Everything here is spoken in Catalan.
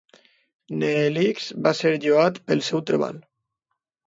Neelix va ser lloat pel seu treball.